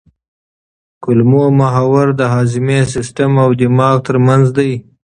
کولمو محور د هاضمي سیستم او دماغ ترمنځ دی.